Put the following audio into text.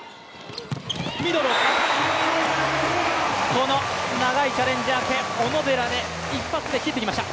この長いチャレンジ明け、小野寺で一発で切ってきました。